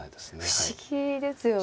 不思議ですよね。